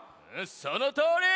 そのとおり！